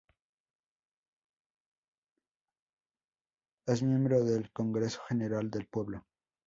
Es miembro del Congreso General del Pueblo.